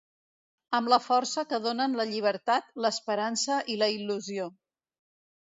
Amb la força que donen la llibertat, l’esperança i la il·lusió.